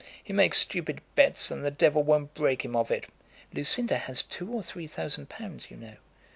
He makes stupid bets, and the devil won't break him of it." "Lucinda has two or three thousand pounds, you know."